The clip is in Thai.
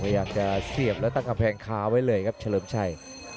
อยากจะเสียบแล้วตั้งกับแผงคลาไว้เลยครับเฉลิมชัย